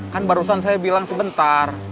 kan barusan saya bilang sebentar